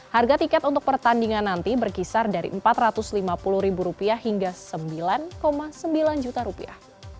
harga tiket untuk pertandingan nanti berkisar dari rp empat ratus lima puluh hingga rp sembilan sembilan juta